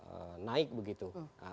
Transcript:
ini juga sudah mulai naik begitu